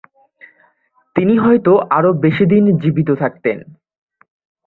তিনি হয়তো আরও বেশিদিন জীবিত থাকতেন।